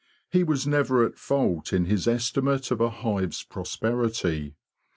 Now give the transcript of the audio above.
He was never at fault in his estimate of a hive's prosperity.